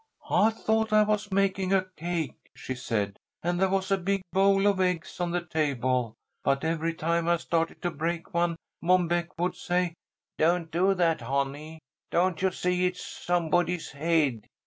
"I thought I was making a cake," she said, "and there was a big bowl of eggs on the table. But every time I started to break one Mom Beck would say, 'Don't do that, honey. Don't you see it is somebody's haid?'